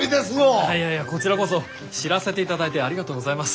いやいやこちらこそ知らせていただいてありがとうございます。